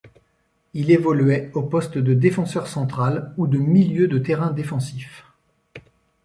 Il évoluait au poste de défenseur central ou de milieu de terrain défensif.